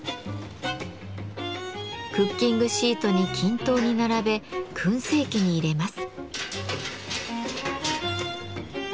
クッキングシートに均等に並べ燻製機に入れます。